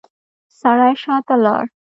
سړی شاته لاړ.